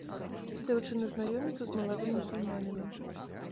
Дзяўчына знаёміцца з маладым мусульманінам.